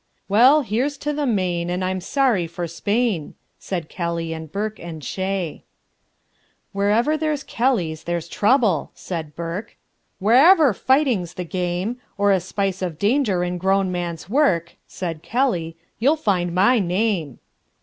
"Well, here's to the Maine, and I'm sorry for Spain!" Said Kelly and Burke and Shea. "Wherever there's Kellys there's trouble," said Burke. "Wherever fighting's the game, Or a spice of danger in grown man's work," Said Kelly, "you'll find my name."